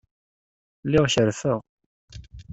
Lliɣ kerfeɣ.